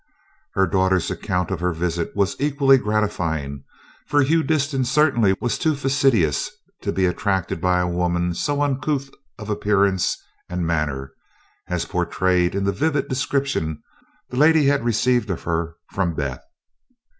Her daughter's account of her visit was equally gratifying, for Hugh Disston certainly was too fastidious to be attracted by a woman so uncouth of appearance and manner as portrayed in the vivid description the lady had received of her from Beth.